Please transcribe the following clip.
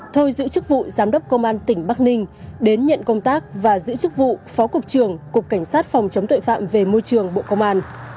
thôi giữ chức vụ giám đốc công an tỉnh bắc ninh đến nhận công tác và giữ chức vụ phó cục trưởng cục cảnh sát phòng chống tội phạm về môi trường bộ công an